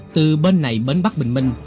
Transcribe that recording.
từ bên này bến bắc bình minh